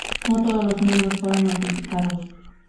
No todos los miembros fueron notificados.